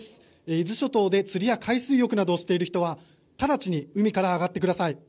伊豆諸島で釣りや海水浴などをしている人は直ちに海から上がってください。